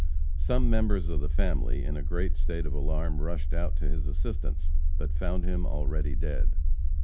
Some members of the family, in a great state of alarm, rushed out to his assistance, but found him already dead.